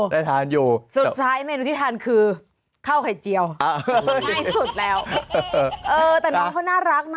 ได้ทานอยู่สุดท้ายเมนูที่ทานคือข้าวไข่เจียวง่ายสุดแล้วเออแต่น้องเขาน่ารักนะ